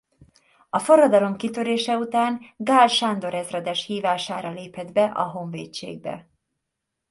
A forradalom kitörése után Gál Sándor ezredes hívására lépett be a Honvédségbe.